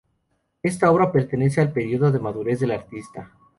Esta obra pertenece al período de madurez del artista.